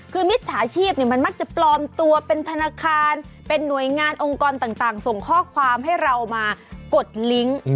คือมิจฉาชีพมันมักจะปลอมตัวเป็นธนาคารเป็นหน่วยงานองค์กรต่างส่งข้อความให้เรามากดลิงค์